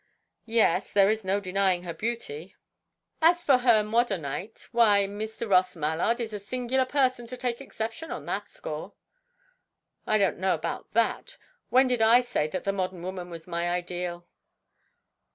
"Yes; there is no denying her beauty." "As for her modonite, why, Mr. Ross Mallard is a singular person to take exception on that score." "I don't know about that. When did I say that the modern woman was my ideal?"